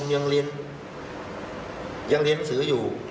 ยังเลี้ยงถืออยู่